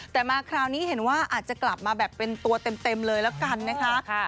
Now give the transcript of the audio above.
แต่มาคราวนี้เห็นว่าอาจจะกลับมาแบบเป็นตัวเต็มเลยแล้วกันนะคะ